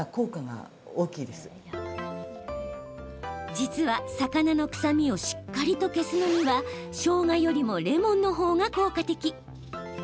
実は、魚の臭みをしっかりと消すのにはしょうがよりもレモンのほうが効果的。